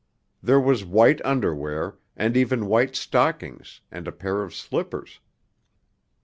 There was white underwear, and even white stockings, and a pair of slippers.